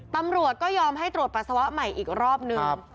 ตำรวจก็ยอมให้ตรวจปัสสาวะใหม่อีกรอบนึง